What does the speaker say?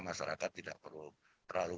masyarakat tidak perlu terlalu